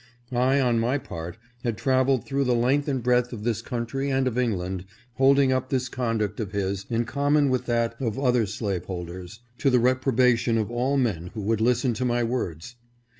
I, on my part, had traveled through the length and breadth of this country and of England, hold ing up this conduct of his, in common with that of other slaveholders, to the reprobation of all men who would lis ten to my words.